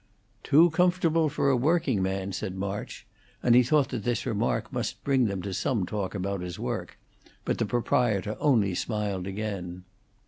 "Too comfortable for a working man," said March, and he thought that this remark must bring them to some talk about his work, but the proprietor only smiled again.